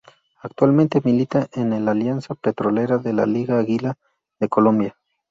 Actualmente milita en el Alianza Petrolera de la Liga Águila de Colombia.